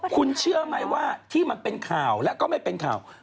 คุณเชื่อไหมว่าที่มันเป็นข่าวแล้วก็ไม่เป็นข่าว